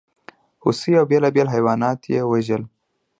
هوسۍ او بېلابېل حیوانات یې وژل.